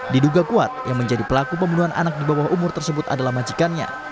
diduga kuat yang menjadi pelaku pembunuhan anak di bawah umur tersebut adalah majikannya